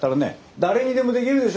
誰にでもできるでしょ？